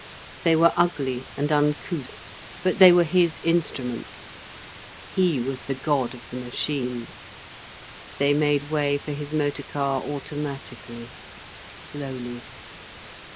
They were ugly and uncouth, but they were his instruments. He was the God of the machine. They made way for his motor car automatically, slowly.